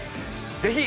ぜひ。